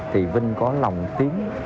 thì vinh có lòng tiếng